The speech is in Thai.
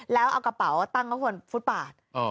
แล้วเอากระเป๋าตั้งไว้บนฟุตบาท